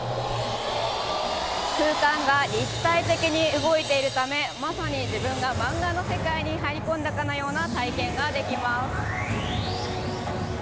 空間が立体的に動いているためまさに自分が漫画の世界に入り込んだかのような体験ができます。